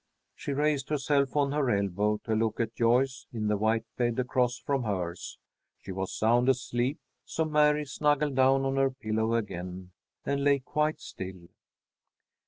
She raised herself on her elbow to look at Joyce, in the white bed across from hers. She was sound asleep, so Mary snuggled down on her pillow again, and lay quite still.